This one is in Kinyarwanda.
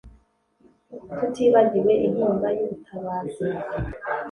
tutibagiwe inkunga y ubutabazi